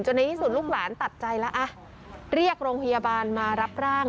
ในที่สุดลูกหลานตัดใจแล้วอ่ะเรียกโรงพยาบาลมารับร่าง